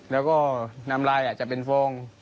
แล้วก็นำลายจะเป็นฟอง